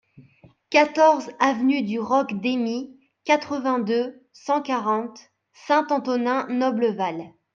quatorze avenue du Roc Deymie, quatre-vingt-deux, cent quarante, Saint-Antonin-Noble-Val